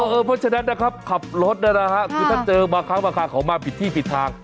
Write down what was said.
เพราะฉะนั้นนะครับขับรถนะฮะคือถ้าเจอบางครั้งบางครั้งเขามาผิดที่ผิดทาง